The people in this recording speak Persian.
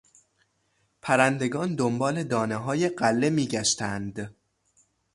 پرندگان دنبال دانههای غله میگشتند.